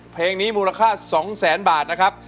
เพลงนี้มูลค่า๒แสนบาทนะครับ